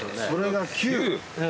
それが９！